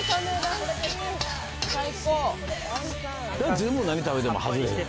全部、何食べてもはずれへん。